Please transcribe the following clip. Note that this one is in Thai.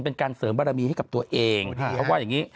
เป็นการเสริมบารมีให้กับตัวเองเขาว่าอย่างนี้